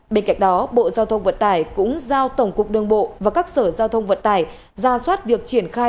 bên cạnh đó bộ giao thông vận tải cũng giao tổng cục đương bộ và các sở giao thông vận tải ra soát việc triển khai